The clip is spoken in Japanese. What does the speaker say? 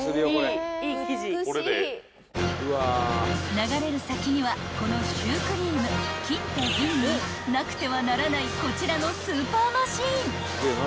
［流れる先にはこのシュークリーム金と銀になくてはならないこちらの］